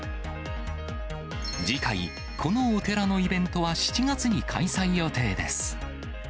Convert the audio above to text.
次回、このお寺のイベントは７月に開催予定です。